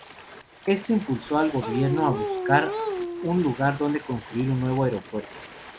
Esto impulsó al gobierno a buscar un lugar donde construir un nuevo aeropuerto.